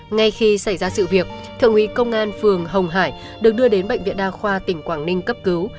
ngay khi xảy ra sự việc thượng úy công an phường hồng hải được đưa đến bệnh viện đa khoa tỉnh quảng ninh cấp cứu